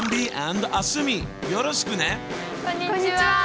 こんにちは！